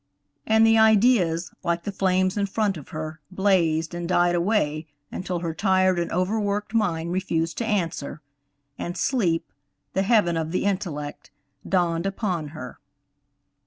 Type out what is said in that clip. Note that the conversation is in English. And the ideas, like the flames in front of her, blazed and died away until her tired and overworked mind refused to answer, and sleep, the heaven of the intellect, dawned upon her.